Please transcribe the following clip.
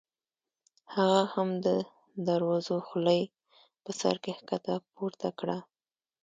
هغه هم د دروزو خولۍ په سر کې ښکته پورته کړه.